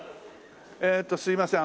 えっとすいません。